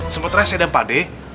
sementara saya dan pak d lalu